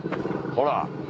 ほら！